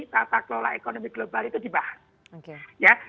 tata kelola ekonomi global itu dibahas